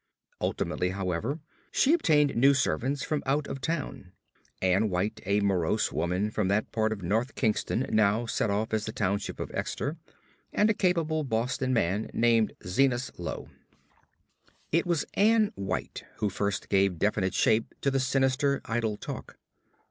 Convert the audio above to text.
Ultimately, however, she obtained new servants from out of town; Ann White, a morose woman from that part of North Kingstown now set off as the township of Exeter, and a capable Boston man named Zenas Low. It was Ann White who first gave definite shape to the sinister idle talk.